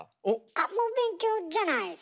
あっ猛勉強じゃないですね。